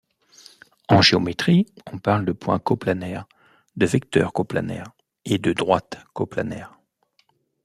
En géométrie, on parle de points coplanaires, de vecteurs coplanaires et de droites coplanaires.